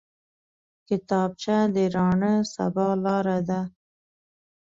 کتابچه د راڼه سبا لاره ده